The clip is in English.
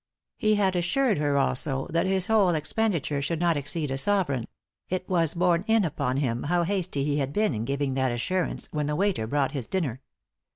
He had assured her, also, that his whole expenditure should not exceed a sovereign ; it was borne in upon him how hasty he had been in giving that assurance when the waiter brought his dinner.